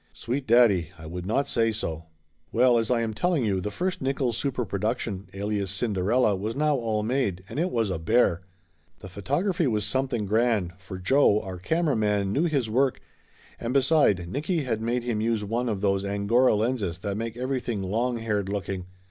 Sweet daddy, I would not say so! Well, as I am telling you, the first Nickolls super production, Alias Cinderella, was now all made, and it was a bear. The photography was something grand, for Joe, our camera man, knew his work, and beside, Nicky had made him use one of these angora lenses that make everything long haired looking.